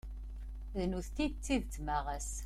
D nutni i d tidett ma ɣas.